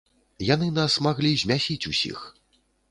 Яны нас маглі змясіць усіх.